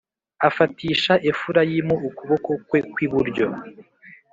afatisha Efurayimu ukuboko kwe kw iburyo